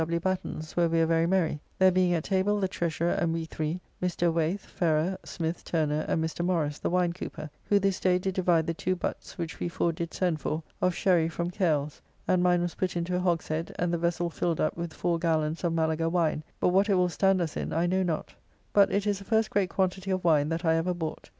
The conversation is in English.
Batten's, where we were very merry, there being at table the Treasurer and we three, Mr. Wayth, Ferrer, Smith, Turner, and Mr. Morrice, the wine cooper, who this day did divide the two butts, which we four did send for, of sherry from Cales, and mine was put into a hogshead, and the vessel filled up with four gallons of Malaga wine, but what it will stand us in I know not: but it is the first great quantity of wine that I ever bought.